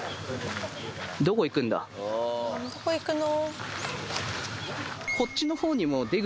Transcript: どこ行くの？